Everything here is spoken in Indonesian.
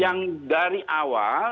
yang dari awal